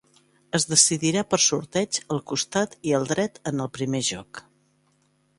Es decidirà per sorteig el costat i el dret en el primer joc.